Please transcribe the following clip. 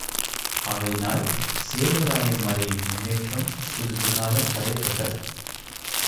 ஆகையினால் சேர்வராயன் மலையின் முன்னேற்றம் சிறிது காலம் தடைப்பட்டது.